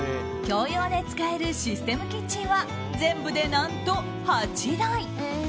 共用で使えるシステムキッチンは全部で何と８台。